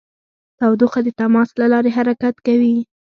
تودوخه د تماس له لارې حرکت کوي.